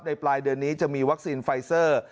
ปลายเดือนนี้จะมีวัคซีนไฟเซอร์